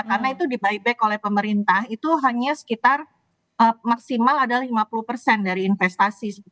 karena itu dibuyback oleh pemerintah itu hanya sekitar maksimal adalah lima puluh dari investasi